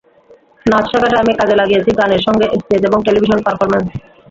নাচ শেখাটা আমি কাজে লাগিয়েছি গানের সঙ্গে স্টেজ এবং টেলিভিশন পারফরম্যান্সে।